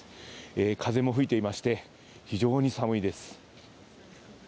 風も吹いていまして非常に寒いです。